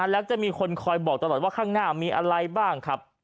แล้วจะมีคนคอยบอกตลอดว่าข้างหน้ามีอะไรบ้างครับ